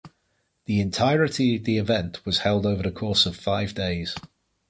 The entirety of the event was held over the course of five days.